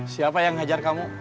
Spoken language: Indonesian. siapa yang ngehajar kamu